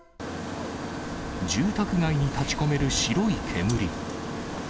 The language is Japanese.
住宅街に立ちこめる白い煙。